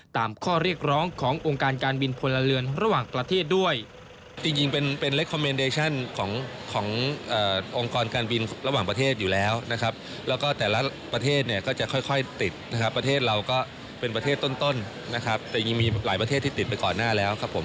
ตามข้อเรียกร้องของโองการการบินของคนละเลือนระหว่างประเทศด้วย